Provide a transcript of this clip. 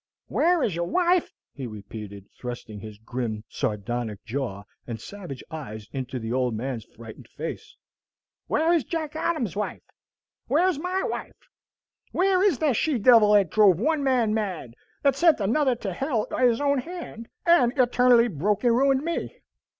"Where is your wife?" he repeated, thrusting his grim sardonic jaw and savage eyes into the old man's frightened face. "Where is Jack Adam's wife? Where is MY wife? Where is the she devil that drove one man mad, that sent another to hell by his own hand, that eternally broke and ruined me?